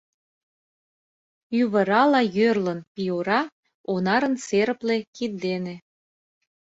Ӱвырала йӧрлын пийора Онарын серыпле кид дене.